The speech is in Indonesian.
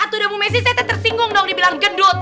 atuh demu messi saya tersinggung dong dibilang gendut